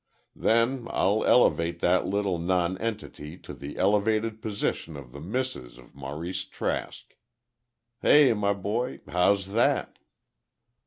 Then, I'll elevate that little nonentity to the elevated position of the missus of Maurice Trask. Hey, my boy, how's that?"